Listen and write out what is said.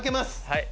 はい。